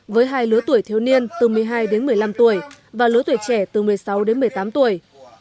với hai lứa tuổi thiếu niên từ một mươi hai đến một mươi năm tuổi và lứa tuổi trẻ từ một mươi sáu đến một mươi tám tuổi